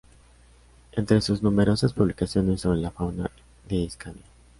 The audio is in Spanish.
Entre sus numerosas publicaciones sobre la fauna de Escania.